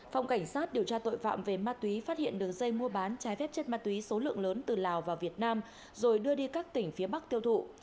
phòng cảnh sát điều tra tội phạm về ma túy phát hiện đường dây mua bán trái phép chất ma túy số lượng lớn từ lào vào việt nam rồi đưa đi các tỉnh phía bắc tiêu thụ